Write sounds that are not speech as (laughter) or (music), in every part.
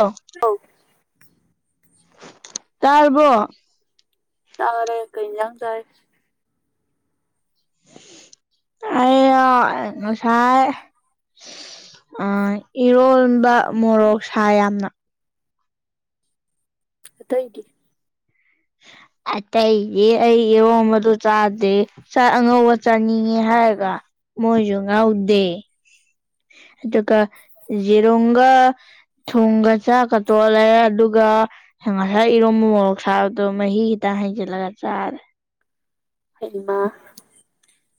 ꯑꯧ ꯇꯥꯔꯕꯣ ꯇꯥꯔꯦ ꯀꯩ ꯏꯟꯖꯥꯡ ꯆꯥꯏ ꯑꯩꯔꯣ ꯉꯁꯥꯏ ꯑ ꯏꯔꯣꯟꯕ ꯃꯣꯔꯣꯛ ꯁꯥꯢ ꯌꯥꯝꯅ ꯑꯇꯩꯗꯤ ꯑꯇꯩꯗꯤ ꯑꯩ ꯏꯔꯣꯟꯕꯗꯨ ꯆꯥꯗꯦ ꯆꯥꯛ ꯑꯉꯧꯕ ꯆꯥꯅꯤꯡꯉꯤ ꯍꯥꯏꯔꯒ ꯃꯣꯏꯖꯨ ꯉꯧꯗꯦ ꯑꯗꯨꯒ ꯌꯦꯔꯨꯝꯒ ꯊꯨꯝꯒ ꯆꯥꯛꯀ ꯇꯣꯠꯂꯦ ꯑꯗꯨꯒ ꯉꯁꯥꯏ ꯏꯔꯣꯝ ꯕ ꯃꯣꯔꯣꯛ ꯁꯥꯕꯗꯣ ꯃꯍꯤ ꯈꯤꯇ ꯍꯩꯖꯤꯜꯂꯒ ꯆꯥꯔꯦ ꯍꯩꯃꯥ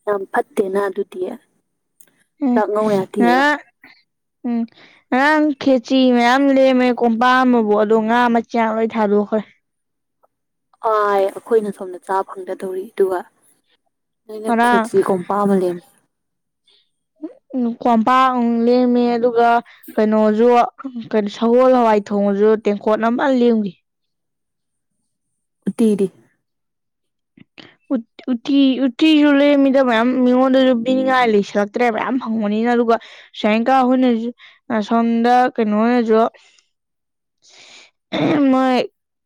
ꯌꯥꯝ ꯐꯠꯇꯦꯅꯥ ꯑꯗꯨꯗꯤ ꯑꯦ ꯆꯥꯛ ꯉꯧ ꯌꯥꯗꯦꯕ ꯉꯥꯔꯥꯡ ꯎꯝ ꯉꯔꯥꯡ ꯈꯦꯆꯤ ꯃꯌꯥꯝ ꯂꯦꯝꯃꯦ ꯀꯣꯝꯄꯥꯛ ꯑꯃꯕꯨ ꯑꯗꯣ ꯉꯥ ꯃꯆꯥꯛ ꯂꯣꯏ ꯊꯥꯗꯣꯛꯈꯔꯦ ꯑꯥꯏ ꯑꯈꯣꯏꯅ ꯁꯣꯝꯗ ꯆꯥ ꯐꯪꯗ ꯗꯧꯔꯤ ꯗꯨꯒ ꯅꯣꯏꯅ ꯈꯦꯆꯤ ꯀꯣꯝꯄꯥꯛ ꯑꯃ ꯂꯦꯝꯃꯤ ꯀꯣꯝꯄꯥꯛ ꯑꯃꯨꯛ ꯂꯦꯝꯃꯦ ꯑꯗꯨꯒ ꯀꯩꯅꯣꯖꯨ ꯁꯒꯣꯜ ꯍꯋꯥꯏ ꯊꯣꯡꯕꯖꯨ ꯇꯦꯡꯀꯣꯠ ꯑꯃ ꯂꯦꯝꯒꯤ ꯎꯇꯤꯗꯤ ꯎꯠ ꯎꯇꯤ ꯎꯇꯤꯖꯨ ꯂꯦꯝꯃꯤꯗ ꯃꯌꯥꯝ ꯃꯤꯉꯣꯟꯗꯖꯨ ꯄꯤꯅꯤꯡꯉꯥꯏ ꯂꯩꯁꯜꯂꯛꯇ꯭ꯔꯦ ꯃꯌꯥꯝ ꯐꯪꯕꯅꯤꯅ ꯑꯗꯨꯒ ꯁꯦꯡꯀꯥ ꯍꯣꯏꯅꯖꯨ ꯑꯁꯣꯟꯗ ꯀꯩꯅꯣ ꯍꯣꯏꯅꯖꯨ ꯃꯣꯏ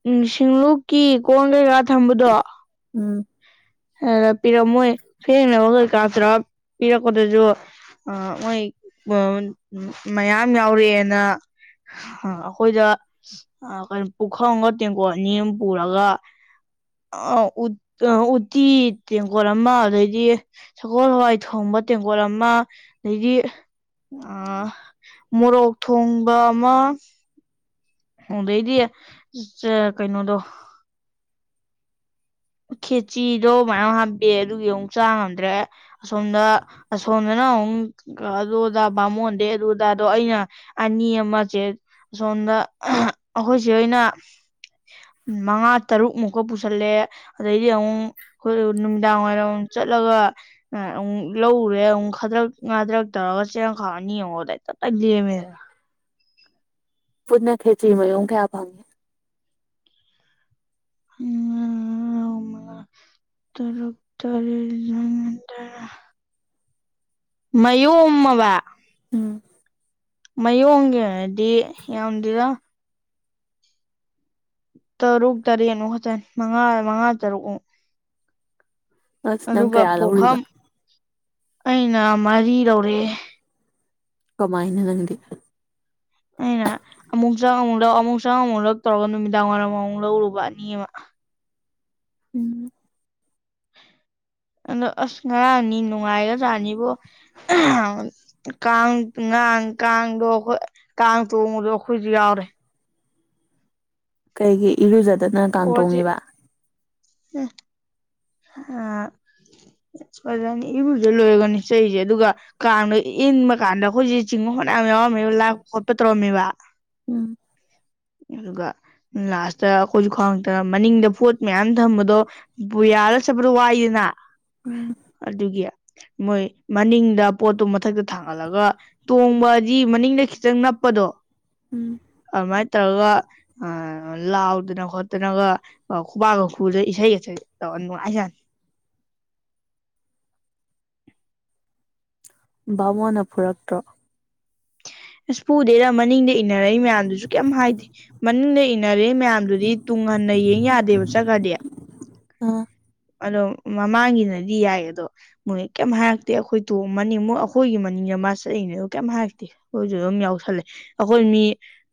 ꯎꯝ ꯁꯤꯡꯂꯨꯞꯀꯤ ꯀꯣꯟ ꯀꯩꯀꯥ ꯊꯝꯕꯗꯣ ꯎꯝ ꯍꯗ ꯄꯤꯔꯝꯃꯣꯏ ꯐꯦꯡꯅꯕ ꯀꯩꯀꯥ ꯇꯧꯔꯥ ꯄꯤꯔꯛꯄꯗꯖꯨ ꯑꯥ ꯃꯣꯏ ꯑ ꯃꯌꯥꯝ ꯌꯥꯎꯔꯛꯑꯦꯅ ꯍꯥ ꯑꯈꯣꯏꯗ ꯑꯥ ꯀꯩꯅꯣ ꯄꯨꯈꯝ ꯑꯝꯒ ꯇꯦꯡꯀꯣꯠ ꯑꯅꯤ ꯑꯝ ꯄꯨꯔꯒ ꯑꯥ ꯎꯠ ꯑ ꯎꯇꯤ ꯇꯦꯡꯀꯣꯠ ꯑꯃ ꯑꯗꯩꯗꯤ ꯁꯒꯣꯜ ꯍꯋꯥꯏ ꯊꯣꯡꯕ ꯇꯦꯡꯒꯣꯠ ꯑꯃ ꯑꯗꯒꯤ ꯑꯥ ꯃꯣꯔꯣꯛ ꯊꯣꯡꯕ ꯑꯃ ꯑꯗꯩꯗꯤ ꯆ ꯀꯩꯅꯣꯗꯣ ꯈꯦꯆꯤꯗꯣ ꯃꯌꯥꯝ ꯍꯥꯞꯄꯦ ꯑꯗꯨꯒꯤ ꯑꯃꯨꯛ ꯆꯥ ꯉꯝꯗ꯭ꯔꯦ ꯑꯁꯣꯝꯗ ꯑꯁꯣꯝꯗꯅ ꯑꯎꯝ ꯒ ꯑꯗꯨ ꯗꯥ ꯕꯥꯥꯃꯣꯟꯗꯩꯩ ꯑꯗꯨꯗꯥꯗꯣ ꯑꯩꯅ ꯑꯅꯤ ꯑꯃ ꯆꯦ ꯑꯁꯣꯟꯗ ꯑꯍ ꯑꯈꯣꯏ ꯆꯦ ꯍꯣꯏꯅ ꯃꯉꯥ ꯇꯔꯨꯛ ꯃꯨꯛꯀ ꯄꯨꯁꯜꯂꯦ ꯑꯗꯩꯗꯤ ꯑꯃꯨꯛ ꯈꯣꯏꯗꯨ ꯅꯨꯃꯤꯗꯥꯡ ꯋꯥꯏꯔꯝ ꯑꯃꯨꯛ ꯆꯠꯂꯒ ꯑꯥ ꯑꯃꯨꯛ ꯂꯧꯔꯨꯔꯦ ꯑꯃꯨꯛ ꯈꯗ꯭ꯔꯛ ꯉꯥꯗ꯭ꯔꯛ ꯇꯧꯔꯒ ꯆꯦꯔꯪ ꯈꯥꯎ ꯑꯅꯤ ꯑꯃꯨꯛ ꯑꯗꯩ ꯇꯞ ꯇꯥꯏ ꯂꯦꯝꯃꯦꯗꯅꯥ ꯄꯨꯟꯅ ꯈꯦꯆꯤ ꯃꯌꯣꯝ ꯀꯌꯥ ꯐꯪꯉꯤ (unintelligible) ꯃꯉꯥ ꯇꯔꯨꯛ ꯇꯔꯦꯠ (unintelligible) ꯃꯌꯣꯝꯃꯕꯥ ꯎꯝ ꯃꯌꯣꯝꯒꯤ ꯑꯣꯏꯔꯗꯤ ꯌꯥꯝꯗꯦꯗ ꯇꯔꯨꯛ ꯇꯔꯦꯠ ꯃꯨꯛ ꯈꯛꯇꯅꯤ ꯃꯉꯥ ꯃꯉꯥ ꯇꯔꯨꯛ ꯃꯨꯛ ꯑꯁ ꯅꯪ ꯑꯗꯨꯒ ꯀꯌꯥ ꯂꯧꯔꯤꯕ ꯄꯣꯈꯝ ꯑꯩꯅ ꯃꯔꯤ ꯂꯧꯔꯑꯦ ꯀꯃꯥꯏꯅ ꯅꯪꯗꯤ ꯑꯩꯅ ꯑꯃꯨꯛ ꯆꯪ ꯑꯃꯨꯛ ꯂꯧ ꯑꯃꯨꯛ ꯆꯪ ꯑꯃꯨꯛ ꯂꯧ ꯇꯧꯔꯒ ꯅꯨꯃꯤꯗꯥꯡ ꯋꯥꯏꯔꯝ ꯑꯃꯨꯛ ꯂꯧꯔꯨꯕ ꯑꯅꯤ ꯑꯃ ꯎꯝ ꯑꯗꯣ ꯑꯁ ꯉꯔꯥꯡꯅꯤ ꯅꯨꯡꯉꯥꯏꯒꯖꯥꯠꯅꯤꯕꯣ ꯀꯥꯡ ꯉꯥꯡ ꯀꯥꯡꯗꯣ ꯑꯈꯣꯏ ꯀꯥꯡ ꯇꯣꯡꯕꯗꯣ ꯑꯈꯣꯏꯖꯨ ꯌꯥꯎꯔꯦ ꯀꯩꯒꯤ ꯏꯔꯨꯖꯗꯅ ꯑꯣꯖꯤ ꯀꯥꯡꯇꯣꯡꯉꯤꯕ ꯎ ꯑꯥ ꯐꯖꯅ ꯏꯔꯨꯖ ꯂꯣꯏꯔꯒꯅꯤ ꯆꯠꯏꯖꯦ ꯑꯗꯨꯒꯥ ꯀꯥꯡꯗ ꯏꯟꯕ ꯀꯥꯟꯗ ꯈꯣꯏꯖꯦ ꯆꯤꯡꯕ ꯐꯅ꯭ꯌꯥꯝ ꯌꯥꯎꯔꯝꯃꯦꯕ ꯂꯥꯛꯄ ꯈꯣꯠꯄ ꯇꯧꯔꯝꯃꯦꯕ ꯎꯝ (inaudible) ꯑꯗꯨꯒ ꯂꯥꯁꯇ ꯑꯈꯣꯏꯖꯨ ꯈꯪꯉꯛꯇꯅ ꯃꯅꯤꯡꯗ ꯄꯣꯠ ꯃꯌꯥꯝ ꯊꯝꯕꯗꯣ ꯕꯨ ꯌꯥꯜꯂ ꯆꯠꯄꯗꯨ ꯋꯥꯏꯌꯦꯗꯅꯥ ꯎꯝ ꯑꯗꯨꯒꯤ ꯃꯣꯏ ꯃꯅꯤꯡꯗ ꯄꯣꯠꯇꯨ ꯃꯊꯛꯇ ꯊꯥꯡꯒꯠꯂꯒ ꯇꯣꯡꯕꯗꯤ ꯃꯅꯤꯡꯗ ꯈꯤꯇꯪ ꯅꯞꯄꯗꯣ ꯎꯝ ꯑꯗꯨꯃꯥꯏ ꯇꯧꯔꯒ ꯑ ꯂꯥꯎꯗꯅ ꯈꯣꯠꯇꯅꯒ ꯑꯩ ꯈꯨꯕꯥꯛꯀ ꯈꯨꯗꯅ ꯏꯁꯩꯒ ꯁꯛ ꯇꯧꯔ ꯅꯨꯡꯉꯥꯏꯖꯥꯠꯅꯤ ꯕꯥꯃꯣꯟꯅ ꯐꯨꯔꯛꯇ꯭ꯔꯣ ꯑꯁ ꯐꯨꯗꯦꯗ ꯃꯅꯤꯡꯗ ꯏꯟꯅꯔꯛꯏ ꯃꯌꯥꯝꯗꯨꯖꯨ ꯀꯩꯝ ꯍꯥꯏꯗ ꯃꯅꯤꯡꯗ ꯏꯟ ꯢꯟꯅꯔꯛꯏ ꯃꯌꯥꯝꯗꯨꯗꯤ ꯇꯨꯡ ꯍꯟꯅ ꯌꯦꯡ ꯌꯥꯗꯦꯕ ꯆꯠꯈ꯭ꯔꯥꯗꯤ ꯑꯣ ꯑꯗꯣ ꯃꯃꯥꯡꯒꯤꯅꯗꯤ ꯌꯥꯏ ꯑꯗꯣ ꯃꯣꯏ ꯀꯩꯝ ꯍꯥꯏꯔꯛꯇꯦ ꯑꯈꯣꯏ ꯇꯣꯡꯃꯅꯤꯡ ꯃꯣꯏ ꯑꯈꯣꯏꯒꯤ ꯃꯅꯤꯡꯗ ꯃꯥ ꯆꯠꯂꯤꯅꯤ ꯑꯗꯨ ꯀꯩꯝ ꯍꯥꯏꯔꯛꯇꯦ ꯑꯈꯣꯏꯖꯨ ꯑꯗꯨꯝ ꯌꯥꯎꯁꯜꯂꯦ ꯑꯈꯣꯏ ꯃꯤ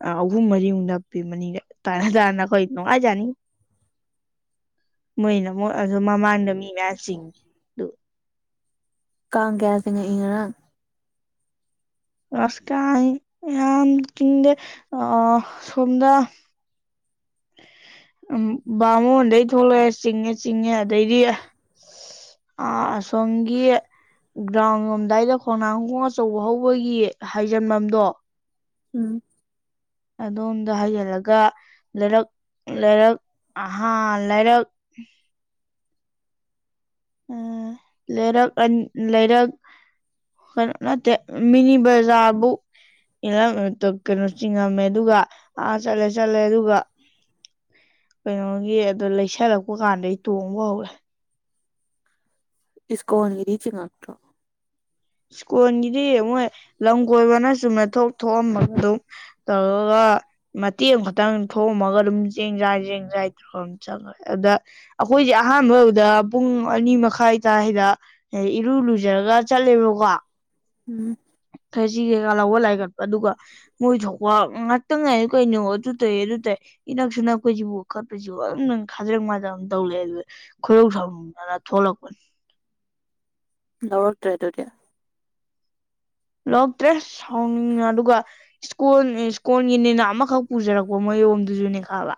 ꯑ ꯑꯍꯨꯝ ꯃꯔꯤꯃꯨꯛ ꯅꯞꯄꯤ ꯃꯅꯤꯡꯗ ꯇꯥꯅ ꯇꯥꯅ ꯑꯈꯣꯏ ꯅꯨꯡꯉꯥꯏꯖꯥꯠꯅꯤ ꯃꯣꯏꯅ ꯃꯨꯛ ꯑꯗꯨ ꯃꯃꯥꯡꯗ ꯃꯤ ꯃꯌꯥꯝ ꯆꯤꯡꯉꯤ ꯑꯗꯨ ꯀꯥꯡ ꯀꯌꯥ ꯆꯪꯉꯛꯏ ꯉꯔꯥꯡ ꯑꯁ ꯀꯥꯡ ꯌꯥꯝ ꯆꯤꯡꯗꯦ ꯑ ꯑꯁꯣꯝꯗ ꯑꯝ ꯕꯥꯃꯣꯟꯗꯩ ꯊꯣꯛꯂꯛꯑꯦ ꯆꯤꯡꯉꯦ ꯆꯤꯡꯉꯦ ꯑꯗꯩꯗꯤ ꯑ ꯑꯁꯣꯝꯒꯤ ꯒ꯭ꯔꯥꯎꯟ ꯂꯣꯝꯗꯥꯏꯗ ꯈꯣꯡꯅꯥꯡꯒꯣꯡ ꯑꯆꯧꯕ ꯍꯧꯕꯒꯤ ꯍꯥꯏꯖꯟꯕꯝꯗꯣ ꯎꯝ ꯑꯗꯣꯝꯗ ꯍꯩꯖꯜꯂꯒ ꯂꯩꯔꯛ ꯂꯩꯔꯛ ꯑꯍꯥ ꯂꯩꯔꯛ ꯎꯝ ꯂꯩꯔꯛ ꯑꯟ ꯂꯩꯔꯛ ꯀꯩꯅꯣ ꯅꯠꯇꯦ ꯃꯤꯅꯤ ꯕꯖꯥꯔꯕꯨ (unintelligible) ꯀꯩꯅꯣ ꯆꯤꯡꯉꯝꯃꯦ ꯑꯗꯨꯒ ꯑꯥ ꯆꯠꯂꯦ ꯆꯠꯂꯦ ꯑꯗꯨꯒ ꯀꯩꯅꯣꯒꯤ ꯑꯗꯨ ꯂꯩꯁꯜꯂꯛꯄ ꯀꯥꯟꯗꯩ ꯇꯣꯡꯕ ꯍꯧꯔꯦ ꯏꯁꯀꯣꯟꯒꯤꯗꯤ ꯆꯤꯡꯉꯛꯇ꯭ꯔꯣ ꯏꯁ꯭ꯀꯣꯟꯒꯤꯗꯤ ꯃꯣꯏ ꯂꯝ ꯀꯣꯏꯕꯅ ꯆꯨꯝꯅ ꯊꯣꯛ ꯊꯣꯛꯑꯝꯃꯒ ꯑꯗꯨꯝ ꯇꯧꯔꯒ ꯃꯇꯦꯛ ꯑꯃ ꯈꯇꯪ ꯊꯣꯝꯃꯒ ꯑꯗꯨꯝ ꯆꯦꯡ ꯖꯥ ꯆꯦꯡꯖꯥꯥꯏ ꯇꯧꯔꯝ ꯆꯪꯒ꯭ꯔꯦ ꯑꯗꯨꯗ ꯑꯈꯣꯏꯗꯤ ꯑꯍꯥꯟꯕ ꯎꯕꯗ ꯄꯨꯡ ꯑꯅꯤ ꯃꯈꯥꯏ ꯇꯥꯏꯗ ꯏꯔꯨ ꯂꯨꯖꯔꯒ ꯆꯠꯂꯦꯕꯀꯣ ꯎꯝ ꯈꯦꯆꯤ ꯀꯩꯀꯥ ꯂꯧꯕ ꯂꯥꯏ ꯀꯠꯄ ꯑꯗꯨꯒ ꯃꯣꯏ ꯊꯣꯛꯄ ꯉꯥꯠꯇꯪ ꯉꯥꯏꯌꯣ ꯀꯩꯅꯣ ꯑꯗꯨ ꯇꯩ ꯑꯗꯨ ꯇꯩ ꯏꯅꯛꯁꯨ ꯅꯛꯄꯖꯤꯕꯨ ꯀꯠꯄꯁꯤꯕꯨ ꯑꯗꯨꯝ ꯈꯗꯔꯛ ꯃꯥꯗ꯭ꯔꯛ ꯑꯝ ꯇꯧ ꯂꯩ ꯈꯣꯢꯗꯧ ꯁꯥꯎꯅꯤꯡꯗꯅ ꯊꯣꯛꯂꯛꯄꯅꯤ ꯂꯧꯔꯛꯇ꯭ꯔꯦ ꯑꯗꯨꯗꯤ ꯂꯧꯔꯛꯇ꯭ꯔꯦ ꯁꯥꯎꯅꯤꯡꯉꯦ ꯑꯗꯨꯒ ꯏꯁꯀꯣꯟ ꯏꯁꯀꯣꯟꯜꯒꯤꯅꯦꯅ ꯑꯃꯈꯛ ꯄꯨꯖꯔꯛꯄ ꯃꯌꯣꯝꯗꯨꯖꯨꯅꯦ ꯈꯥꯕ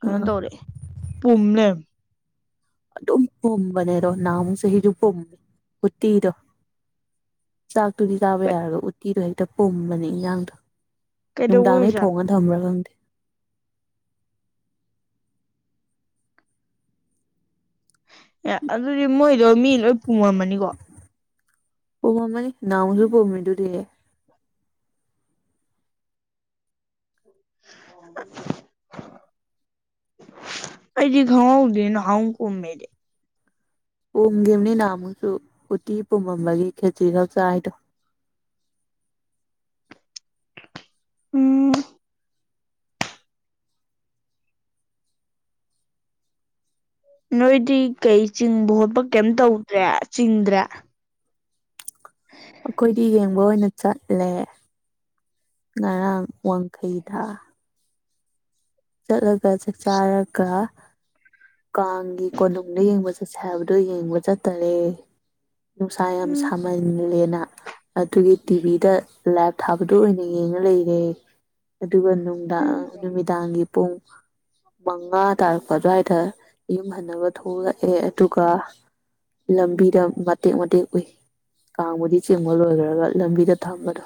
ꯀꯅꯣ ꯑꯥ ꯇꯧꯔꯦ ꯄꯨꯝ ꯂꯩꯔꯝ ꯑꯗꯨꯝ ꯄꯨꯝꯕꯅꯦ ꯑꯗꯣ ꯅꯍꯃꯨꯛ ꯍꯤꯔꯨꯛ ꯄꯨꯝ ꯎꯠꯇꯤꯗꯣ ꯆꯥꯛꯇꯨꯗꯤ ꯆꯥꯕ ꯌꯥꯏꯌꯦꯕ ꯎꯠꯇꯤꯗꯣ ꯍꯦꯛꯇ ꯄꯨꯝꯕꯅꯦ ꯏꯟꯖꯥꯡꯗꯣ ꯀꯩꯗꯧꯕꯩ ꯅꯨꯡꯗꯥꯡꯗꯩ ꯑꯣꯏꯖꯥꯠꯅꯣ ꯊꯣꯡꯉ ꯊꯝꯕ꯭ꯔ ꯈꯪꯗꯦ ꯑꯦ ꯑꯗꯨꯗꯤ ꯃꯣꯏꯗꯣ ꯃꯤ ꯂꯣꯏ ꯄꯨꯝꯃꯝꯃꯅꯤꯀꯣ ꯄꯨꯃꯝꯃꯅꯤ ꯅꯍꯥꯟꯃꯨꯛꯁꯨ ꯄꯨꯃꯤꯗꯨꯗꯤ (inaudible) ꯑꯩꯗꯤ ꯈꯪꯍꯧꯗꯦ ꯅꯍꯥꯃꯨꯛ ꯄꯨꯝꯃꯦꯗꯤ ꯄꯨꯝꯒꯤꯝꯅꯤ ꯅꯍꯥꯟꯃꯨꯛꯁꯨ ꯎꯠꯇꯤ ꯄꯨꯝꯃꯝꯕꯒꯤ ꯈꯦꯆ꯭ꯔꯤ ꯈꯛ ꯆꯥꯏꯗꯣ ꯎꯝ ꯅꯣꯏꯗꯤ ꯀꯩ ꯆꯤꯡꯕ ꯈꯣꯠꯄ ꯀꯦꯝ ꯇꯧꯗ꯭ꯔꯦ ꯆꯤꯡꯗ꯭ꯔꯦ (inaudible) ꯑꯈꯣꯏꯗꯤ ꯌꯦꯡꯕ ꯑꯣꯏꯅ ꯆꯠꯂꯦ ꯉꯔꯥꯡ ꯋꯥꯡꯈꯩꯗ ꯆꯠꯂꯒ ꯆꯥꯛ ꯆꯥꯔꯒ ꯀꯥꯡꯒꯤ ꯀꯣꯅꯨꯡꯗ ꯌꯦꯡꯕ ꯆꯠꯁꯦ ꯍꯥꯏꯕꯗꯣ ꯌꯦꯡꯕ ꯆꯠꯇꯔꯦ ꯅꯨꯡꯁꯥ ꯌꯥꯝ ꯎꯝ ꯁꯥꯃꯜꯂꯦꯅꯥ ꯑꯗꯨꯒꯤ ꯇꯤꯚꯤꯗ ꯂꯥꯏꯚ ꯊꯥꯕꯗꯣ ꯑꯣꯏꯅ ꯌꯦꯡꯉ ꯂꯩꯔꯦ ꯑꯗꯨꯒ ꯅꯨ ꯗꯥꯡ ꯎꯝ ꯅꯨꯃꯤꯗꯥꯡꯒꯤ ꯄꯨꯡ ꯃꯉꯥ ꯇꯥꯔꯛꯄ ꯑꯗꯨꯋꯥꯏꯗ ꯌꯨꯝ ꯍꯟꯅꯕ ꯊꯣꯛꯂꯛꯑꯦ ꯑꯗꯨꯒ ꯂꯝꯕꯤꯗ ꯃꯇꯦꯛ ꯃꯇꯦꯛ ꯎꯏ ꯫ ꯀꯥꯡꯕꯨꯗꯤ ꯆꯤꯡꯕ ꯂꯣꯏꯒ꯭ꯔꯒ ꯂꯝꯕꯤꯗ ꯊꯝꯕꯗꯣ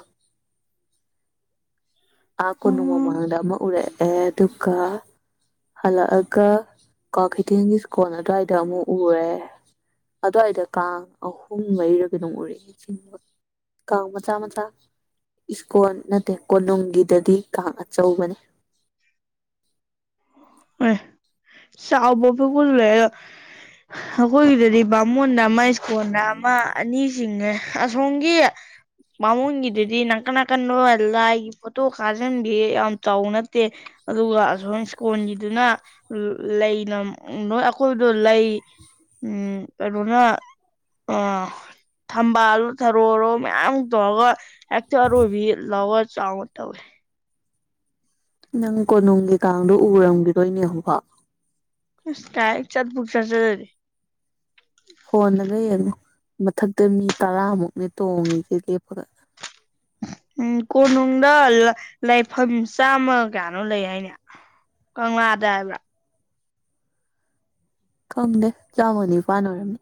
(inaudible) ꯑꯥ ꯀꯣꯅꯨꯡ ꯑꯣ ꯃꯃꯥꯡꯗ ꯑꯃ ꯎꯔꯛꯑꯦ ꯗꯨꯒ ꯍꯜꯂꯛꯑꯒ ꯀ꯭ꯋꯥꯀꯩꯊꯦꯟꯒꯤ ꯁ꯭ꯀꯣꯟ ꯑꯗ꯭ꯋꯥꯏꯗ ꯑꯃꯨꯛ ꯎꯔꯦ ꯫ ꯑꯗ꯭ꯋꯥꯏꯗ ꯀꯥꯡ ꯑꯍꯨꯝ ꯃꯔꯤꯔꯥ ꯀꯩꯅꯣꯝ ꯎꯔꯛꯑꯦ ꯆꯤꯡꯕ ꯀꯥꯡ ꯃꯆꯥ ꯃꯆꯥ ꯏꯁ꯭ꯀꯣꯟ ꯅꯠꯇꯦ ꯀꯣꯅꯨꯡꯒꯤꯗꯗꯤ ꯀꯥꯡ ꯑꯆꯧꯕꯅꯤ ꯑꯦ ꯆꯥꯎꯕ ꯄꯤꯛꯄ ꯂꯩꯔ ꯑꯈꯣꯏꯒꯤꯗꯗꯤ ꯕꯥꯃꯣꯟꯗ ꯑꯃ ꯁ꯭ꯀꯣꯟꯗ ꯑꯃ ꯑꯅꯤ ꯆꯤꯡꯉꯦ ꯑꯁꯣꯝꯒꯤ ꯃꯥꯃꯣꯟ ꯒꯤꯗꯨꯗꯤ ꯅꯥꯀꯟ ꯅꯥꯀꯟ ꯔꯣ ꯂꯥꯏꯒꯤ ꯐꯣꯇꯣ ꯈꯥꯖꯟꯕꯤ ꯌꯥꯝ ꯆꯥꯎꯕ ꯅꯠꯇꯦ ꯑꯗꯨꯒ ꯑꯁꯣꯝ ꯀꯣꯟꯒꯤꯗꯨꯅ ꯂꯩꯅ ꯅꯣꯏ ꯑꯈꯣꯏꯗꯣ ꯂꯩ ꯎꯝ ꯀꯔꯣꯅ ꯑꯥ ꯊꯝꯕꯥꯜꯂꯣ ꯊꯔꯣꯔꯣ ꯃꯌꯥꯝ ꯇꯧꯔꯒ ꯍꯦꯛꯇ ꯑꯔꯣꯏꯕꯤ ꯂꯋꯥ ꯆꯥꯎꯅ ꯇꯧꯋꯦ ꯅꯪ ꯀꯣꯅꯨꯡꯒꯤ ꯀꯥꯡꯗꯣ ꯎꯔꯝꯒꯤꯔꯣꯏꯅꯦ ꯑꯃꯨꯛꯐꯥꯎ ꯑꯁ ꯀꯥꯏ ꯆꯠꯕꯨꯛ ꯆꯠꯖꯗꯔ꯭ꯤ ꯐꯣꯟꯗꯒ ꯌꯦꯡꯉꯨ ꯃꯊꯛꯇ ꯃꯤ ꯇꯔꯥꯃꯨꯛꯅꯦ ꯇꯣꯡꯉꯤꯖꯦ ꯂꯦꯞꯄꯒ ꯎꯝ ꯀꯣꯅꯨꯡꯗ ꯂ ꯂꯥꯏꯐꯝ ꯆꯥꯝꯃ ꯒ ꯀꯌꯥꯅꯣ ꯂꯩ ꯍꯥꯏꯅꯦ ꯀꯪꯂꯥꯗ ꯍꯥꯏꯕ꯭ꯔ ꯈꯪꯗꯦ ꯆꯥꯝꯃꯒꯅꯤꯄꯥꯥꯟ ꯑꯣꯏꯔꯝꯅꯤ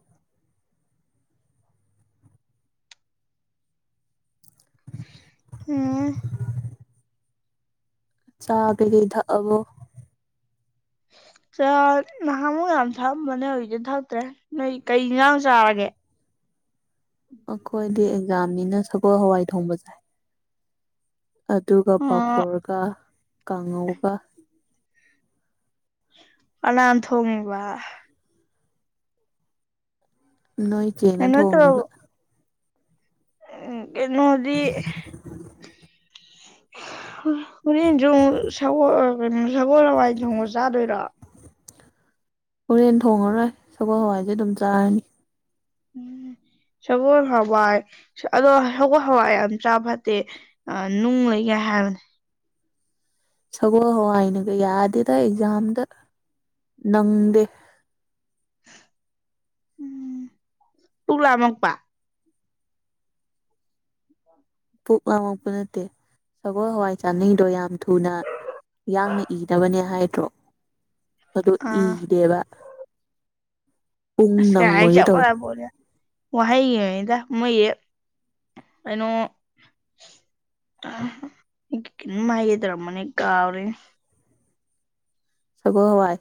(inaudible) ꯎꯝ ꯆꯥ ꯀꯩꯀꯩ ꯊꯛꯑꯕꯣ ꯆꯥ ꯅꯍꯥꯃꯨꯛ ꯌꯥꯝ ꯊꯛꯑꯝꯕꯅꯦ ꯍꯧꯖꯤꯛꯇꯤ ꯊꯛꯇ꯭ꯔꯦ ꯅꯣꯏ ꯀꯩ ꯏꯟꯖꯥꯡ ꯆꯥꯔꯒꯦ꯫ ꯑꯈꯣꯏꯗꯤ ꯑꯦꯛꯖꯥꯝꯅꯤꯅ ꯁꯒꯣꯜ ꯍꯋꯥꯏ ꯊꯣꯡꯕ ꯆꯥꯏ ꯫ ꯑꯗꯨꯒ ꯑ ꯄꯐꯣꯔꯒ ꯀꯥꯡꯉꯧꯒ ꯫ ꯀꯅꯥꯟ ꯊꯣꯡꯉꯤꯕ ꯫ ꯅꯣꯏ ꯆꯦꯅ ꯀꯩꯅꯣ ꯊꯣꯡꯉꯤꯕ ꯫ ꯎꯝ ꯀꯩꯅꯣꯗꯤ ꯫ ꯍꯨ ꯍꯨꯔꯦꯟꯖꯨ ꯑꯃꯨꯛ ꯁꯧꯒꯣ ꯑ ꯀꯩꯅꯣ ꯁꯒꯣꯜ ꯍꯋꯥꯏ ꯊꯣꯡꯕ ꯆꯥꯗꯣꯏꯔꯣ ꯍꯣꯔꯦꯟ ꯊꯣꯡꯉꯔꯣꯏ ꯁꯒꯣꯜ ꯍꯋꯥꯏꯖꯦ ꯑꯗꯨꯝ ꯆꯥꯔꯅꯤ ꯎꯝ ꯁꯒꯣꯜ ꯍꯋꯥꯏ ꯑꯗꯣ ꯁꯒꯣꯜ ꯍꯋꯥꯏ ꯌꯥꯝ ꯆꯥ ꯐꯠꯇꯦ ꯑꯥ ꯅꯨꯡ ꯂꯩꯒ ꯍꯥꯏꯕꯅꯦ ꯁꯒꯣꯜ ꯍꯋꯥꯏꯅꯒ ꯌꯥꯗꯦꯗ ꯑꯦꯛꯖꯥꯝꯗ ꯅꯪꯗꯦ ꯫ ꯎꯝ ꯄꯨꯛ ꯂꯥꯝꯃꯛꯄ ꯄꯨꯛ ꯂꯥꯝꯃꯛꯄ ꯅꯠꯇꯦ ꯁꯒꯣꯜ ꯍꯋꯥꯏ ꯆꯥꯅꯩꯗꯣ ꯌꯥꯝ ꯊꯨꯅ ꯌꯥꯡꯅ ꯏꯅꯕꯅꯦ ꯍꯥꯏꯗ꯭ꯔꯣ ꯑꯗꯣ ꯑꯥ ꯏꯗꯦꯕ ꯄꯨꯡ ꯑꯁ ꯀꯩ ꯍꯥꯏ ꯅꯪꯉꯣꯏꯒꯦ ꯆꯞ ꯇꯧꯋꯦ ꯃꯥꯟꯅ ꯄꯣꯠꯅꯤꯗꯥ ꯋꯥꯍꯩꯒꯤꯅꯤꯗ ꯃꯣꯏꯖꯦ ꯀꯩꯅꯣ ꯑꯥꯥ ꯀꯩꯅꯣꯝ ꯍꯥꯏꯒꯦ ꯇꯧꯔꯝꯕꯅꯦ ꯀꯥꯎꯔꯦꯅꯦ ꯁꯒꯣꯜ ꯍꯋꯥꯏ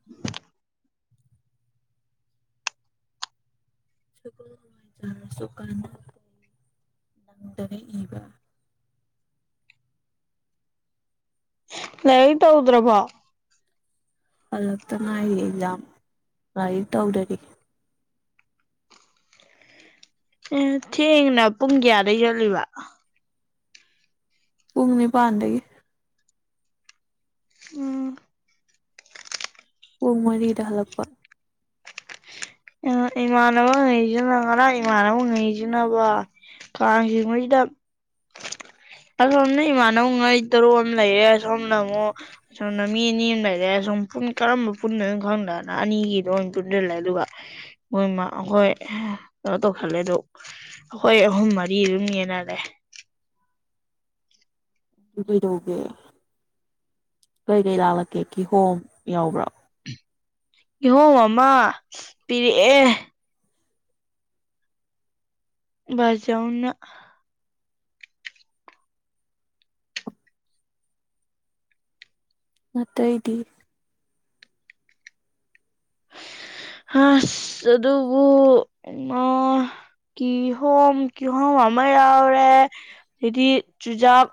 (inaudible) ꯁꯒꯣꯜ ꯍꯋꯥꯏ ꯆꯥꯔꯁꯨ ꯀꯥꯟꯅ ꯅꯪꯗꯔꯦ ꯏꯕ ꯂꯥꯏꯔꯤꯛ ꯇꯧꯗ꯭ꯔꯕꯣ ꯍꯂꯛꯇ ꯉꯥꯏꯔꯤꯌꯦ ꯑꯦꯛꯖꯥꯝ ꯂꯥꯏꯔꯤꯛ ꯇꯧꯗ꯭ꯔꯗꯤ ꯑꯦ ꯊꯦꯡꯅ ꯄꯨꯡ ꯀꯌꯥꯗꯩ ꯆꯠꯂꯤꯕ ꯄꯨꯡ ꯅꯤꯄꯥꯟꯗꯒꯤ ꯎꯝ ꯄꯨꯡ ꯃꯔꯤꯗ ꯍꯜꯂꯛꯄ ꯑꯥ ꯏꯃꯥꯟꯅꯕꯒꯩꯁꯨ ꯉꯔꯥꯡ ꯏꯃꯥꯟꯕ (unintelligible) ꯖꯤꯅꯕ ꯀꯥꯡ ꯆꯤꯡꯕꯩꯁꯤꯗ ꯑꯁꯣꯝꯅ ꯏꯃꯥꯟꯅꯕꯉꯩ ꯇꯔꯨꯛ ꯑꯃ ꯂꯩꯔꯦ ꯁꯣꯝꯗ ꯑꯃꯨꯛ ꯁꯣꯝꯅ ꯃꯤ ꯑꯅꯤ ꯂꯩꯔꯦ ꯁꯣꯝ ꯄꯨꯡ ꯀꯔꯝꯕ ꯄꯨꯟꯗꯣꯏꯅꯣ ꯈꯪꯗꯗꯅ ꯑꯅꯤꯒꯤꯗꯣ ꯑꯣꯏꯅ ꯄꯨꯟꯁꯜꯂꯦ ꯑꯗꯨꯒ ꯃꯣꯏ ꯃꯥ ꯑꯈꯣꯏ ꯀꯩꯅꯣ ꯇꯧꯁꯜꯂꯦ ꯑꯗꯨ ꯑꯈꯣꯏ ꯑꯍꯨꯝ ꯃꯔꯤ ꯑꯗꯨꯝ ꯌꯦꯟꯅꯔꯦ ꯀꯩꯗꯧꯒꯦ ꯀꯩ ꯀꯩ ꯂꯥꯛꯂꯛꯀꯦ ꯀꯤꯍꯣꯝ ꯌꯥꯎꯕ꯭ꯔꯣ ꯀꯤꯍꯣꯝ ꯑꯃ ꯄꯤꯔꯛꯑꯦ ꯕꯥꯆꯧꯅꯥ ꯑꯇꯩꯗꯤ ꯍꯁ ꯑꯗꯨꯕꯨ ꯃꯥ ꯀꯤꯍꯣꯝ ꯀꯤꯍꯣꯝ ꯑꯃ ꯌꯥꯎꯔꯦ ꯑꯗꯩꯗꯤ ꯆꯨꯖꯥꯛ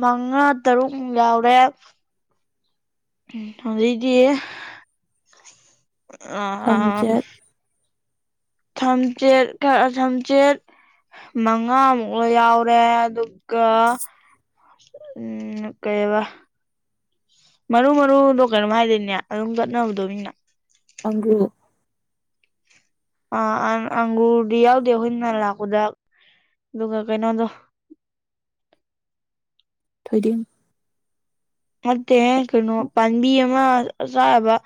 ꯃꯉꯥ ꯇꯔꯨꯛꯃꯨꯛ ꯌꯥꯎꯔꯦ ꯍꯧꯖꯤꯛꯗꯤ ꯑꯥ ꯊꯝꯆꯦꯠ ꯊꯝꯆꯦꯠ ꯊꯝꯆꯦꯠ ꯃꯉꯥꯃꯨꯛ ꯌꯥꯎꯔꯦ ꯑꯗꯨꯒ ꯎꯝ ꯀꯩꯕ ꯃꯔꯨ ꯃꯔꯨꯗꯣ ꯀꯩꯅꯣꯝ ꯍꯥꯏꯗꯥꯏꯅꯦ ꯑꯗꯨꯝ ꯀꯠꯅꯕꯗꯣ ꯃꯤꯅꯥ ꯑꯪꯒꯨꯔ ꯑꯥ ꯑꯥ ꯑꯪꯒꯨꯔꯗꯤ ꯌꯥꯎꯗꯦ ꯑꯈꯣꯏ ꯅꯍꯥꯟ ꯂꯥꯛꯄꯗ ꯑꯗꯨꯒ ꯀꯩꯅꯣꯗꯣ ꯊꯣꯏꯗꯤꯡ ꯅꯠꯇꯦꯍꯦ ꯀꯩꯅꯣ ꯄꯥꯟꯕꯤ ꯑꯃ ꯆꯥ ꯌꯥꯕ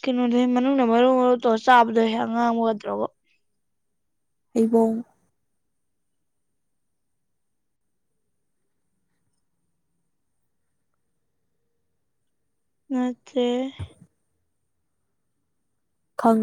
ꯀꯩꯅꯣꯗ ꯃꯅꯨꯡꯗ ꯃꯔꯨ ꯃꯔꯨ ꯇꯧꯔꯒ ꯆꯥꯕꯗꯣ ꯍꯦꯛ ꯑꯉꯥꯡꯕꯒ ꯇꯧꯔꯥ ꯍꯩꯕꯣꯡ ꯅꯠꯇꯦ ꯈꯥꯡ